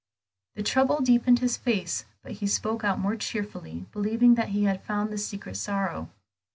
The trouble deepened in his face, but he spoke out more cheerfully, believing that he had found the secret sorrow.